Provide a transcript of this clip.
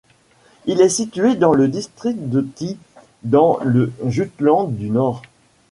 Il est situé dans le district de Thy dans le Jutland du Nord.